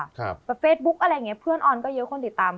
แบบเฟซบุ๊กอะไรอย่างเงี้เพื่อนออนก็เยอะคนติดตาม